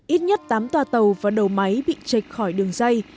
ít nhất tám tòa tàu và đầu máy bị chạy khỏi đường dây